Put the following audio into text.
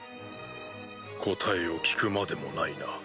答えを聞くまでもないな。